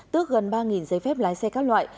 tước gần ba giấy phép lái xe các loại